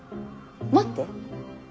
待って。